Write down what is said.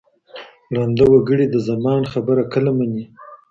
ړانده وګړي د زمان خبره کله مني